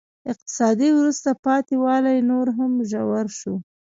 اقتصادي وروسته پاتې والی نور هم ژور شو.